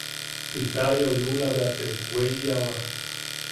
Pitayau lula bea te weiyawa.